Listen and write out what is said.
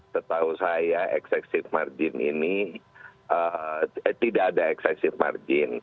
setahu saya eksesif margin ini tidak ada eksesif margin